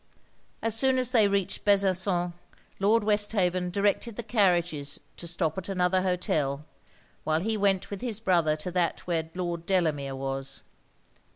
As soon as they reached Besançon, Lord Westhaven directed the carriages to stop at another hotel, while he went with his brother to that where Lord Delamere was.